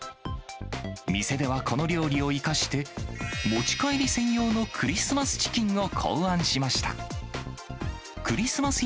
店ではこの料理を生かして、持ち帰り専用のクリスマスチキンを考案しました。